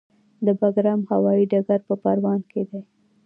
د بګرام هوايي ډګر په پروان کې دی